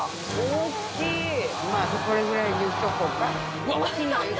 これぐらいにしとこうか。